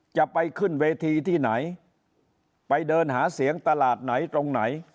จะไปขึ้นเวทีที่ไหนไปเดินหาเสียงตลาดไหนตรงไหน